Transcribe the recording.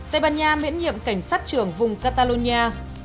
tây ban nha miễn nhiệm cảnh sát trưởng vùng catalonia